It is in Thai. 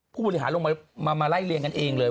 ผู้บริหารลงมาไล่เรียงกันเองเลย